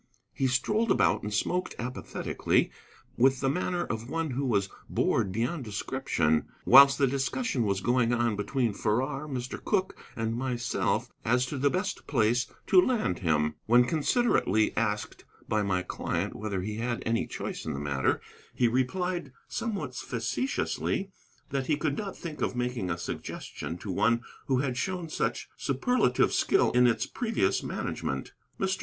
He strolled about and smoked apathetically, with the manner of one who was bored beyond description, whilst the discussion was going on between Farrar, Mr. Cooke, and myself as to the best place to land him. When considerately asked by my client whether he had any choice in the matter, he replied, somewhat facetiously, that he could not think of making a suggestion to one who had shown such superlative skill in its previous management. Mr.